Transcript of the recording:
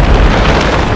tapi saya books sepertinya